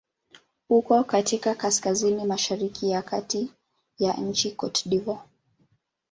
Uko katika kaskazini-mashariki ya kati ya nchi Cote d'Ivoire.